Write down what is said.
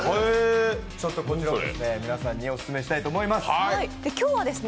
こちらを皆さんにおすすめしたいと思います。